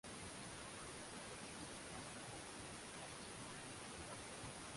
Kama wasemavyo wahenga kizuri chajiuza kibaya chqjitangaza